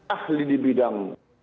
ahli di bidang